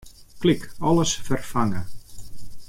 Klik Alles ferfange.